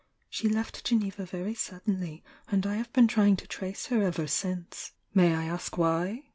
She left Geneva very suddenly, and I have been try ing to trace her ever since." "May I ask why?"